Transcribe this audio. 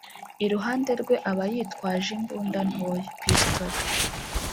Iruhande rwe aba yitwaje imbunda ntoya (Pistolet)